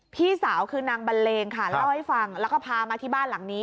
พี่สาวคือนางบันเลงค่ะเล่าให้ฟังแล้วก็พามาที่บ้านหลังนี้